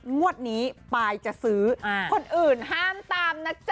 งวดนี้ปายจะซื้อคนอื่นห้ามตามนะจ๊